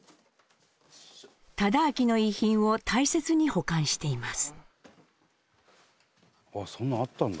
忠亮の遺品を大切に保管しています。